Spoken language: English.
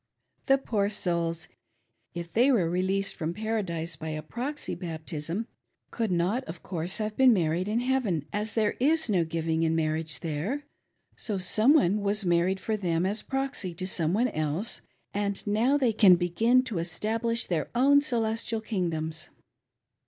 The pdor souls, if they were released from Paradise by a proxy baptism, could not, of course, have been married in heaven, as there is no giving in marriage there ; so some one was married for them as proxy to some one else, and now they can begin to establish their own celestial kingdoms."